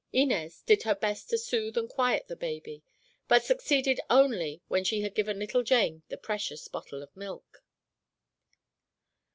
Inez did her best to soothe and quiet the baby, but succeeded only when she had given little Jane the precious bottle of milk.